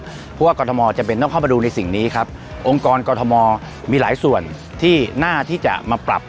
เพราะว่ากรทมจำเป็นต้องเข้ามาดูในสิ่งนี้ครับองค์กรกรทมมีหลายส่วนที่น่าที่จะมาปรับ